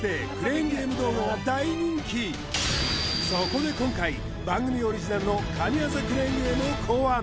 今そこで今回番組オリジナルの神業クレーンゲームを考案